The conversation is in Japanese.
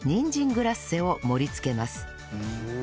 グラッセを盛りつけます